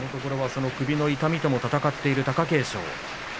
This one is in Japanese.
その首の痛みとも闘っている、貴景勝。